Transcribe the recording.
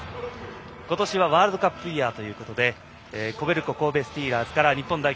今年はワールドカップイヤーということでコベルコ神戸スティーラーズから日本代表